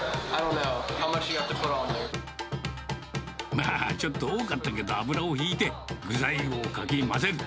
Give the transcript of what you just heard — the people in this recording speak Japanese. まあ、ちょっと多かったけど油を引いて、具材をかき混ぜる。